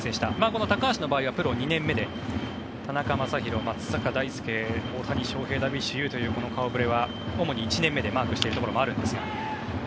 この高橋の場合はプロ２年目で田中将大、松坂大輔大谷翔平、ダルビッシュ有という顔触れは主に１年目でマークしているところもあるんですが。